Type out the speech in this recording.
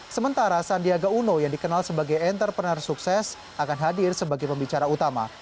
sementara sandiaga uno yang dikenal sebagai entrepreneur sukses akan hadir sebagai pembicara utama